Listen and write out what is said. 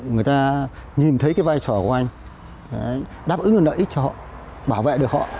người ta nhìn thấy cái vai trò của anh đáp ứng được lợi ích cho họ bảo vệ được họ